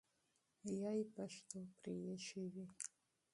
یا ئی پښتو پرېښې وي